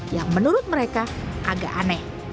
yang menurut mereka agak aneh